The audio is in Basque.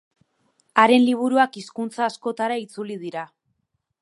Haren liburuak hizkuntza askotara itzuli dira.